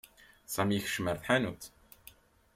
Sami yekcem ar tḥanutt.